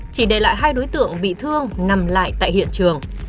chỉ để lại hai đối tượng bị thương nằm lại tại hiện trường